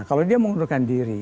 kalau dia mengundurkan diri